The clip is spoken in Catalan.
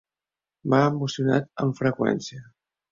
M'ha emocionat amb freqüència…